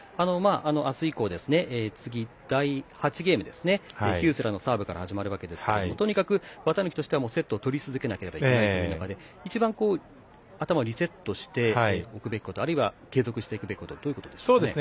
明日以降、次、第８ゲームヒュースラーのサーブから始まりますがとにかく綿貫としてはセットを取り続けなければいけないという中で一番、頭をリセットしておくことあるいは継続していくべきことはなんでしょうか。